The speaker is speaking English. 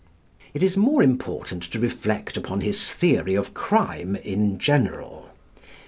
It is more important to reflect upon his theory of crime in general.